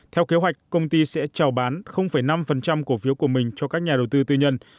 theo kế hoạch công ty sẽ trào bán năm cổ phiếu của mình cho các nhà đầu tư tư nhân